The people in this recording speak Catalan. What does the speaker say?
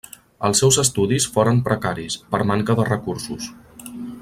Els seus estudis foren precaris, per manca de recursos.